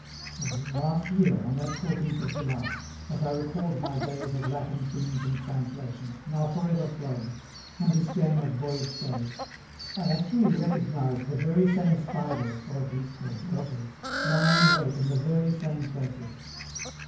Well, last year, on that fourteenth of July, as I recalled my days of Latin themes and translations, now forever flown, and this game of boyish days, I actually recognized the very same spiders (or at least their daughters), lying in wait in the very same places.